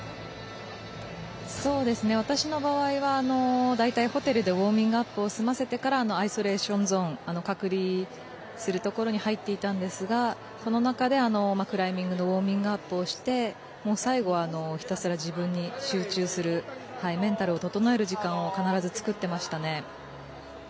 私の場合は大体、ホテルでウォーミングアップを済ませてからアイソレーションゾーン隔離するところに入っていたんですが、その中でクライミングのウォーミングアップをして最後は、ひたすら自分に集中するメンタルを整える時間を必ず作っていましたね。